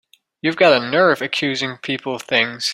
You've got a nerve accusing people of things!